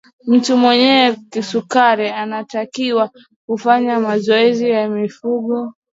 mtu mwenye kisukari anatakiwa kufanya mazoezi ya viungo